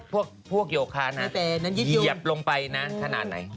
แต่ถ้าพวกโยคะน่ะเหยียบลงไปนะขนาดไหน